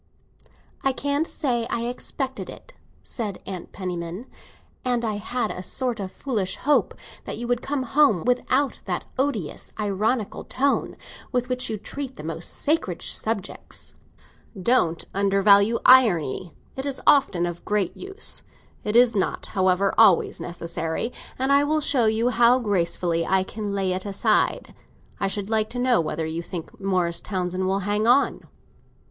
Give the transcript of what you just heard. "I can't say I expected it," said Mrs. Penniman. "And I had a sort of foolish hope that you would come home without that odious ironical tone with which you treat the most sacred subjects." "Don't undervalue irony, it is often of great use. It is not, however, always necessary, and I will show you how gracefully I can lay it aside. I should like to know whether you think Morris Townsend will hang on."